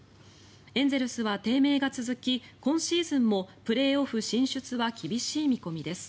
エンゼルスは低迷が続き今シーズンもプレーオフ進出は厳しい見込みです。